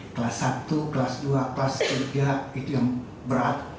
kelas satu kelas dua kelas tiga itu yang berat